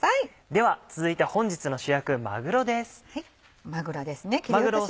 では続いて本日の主役まぐろです。